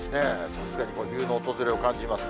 さすがに冬の訪れを感じます。